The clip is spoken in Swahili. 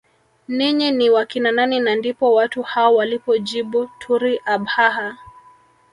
Ninyi ni wakina nani na ndipo watu hao walipojibu turi Abhaha